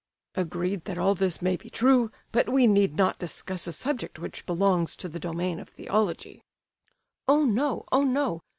"Agreed that all this may be true; but we need not discuss a subject which belongs to the domain of theology." "Oh, no; oh, no!